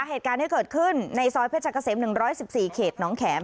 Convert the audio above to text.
เหตุการณ์ที่เกิดขึ้นในซอยเพชรเกษม๑๑๔เขตน้องแข็ม